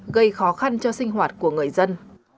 gây khó khăn cho sinh hoạt của người dân